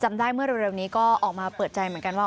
ได้เมื่อเร็วนี้ก็ออกมาเปิดใจเหมือนกันว่า